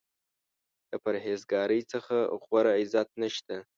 د پرهیز ګارۍ څخه غوره عزت نشته.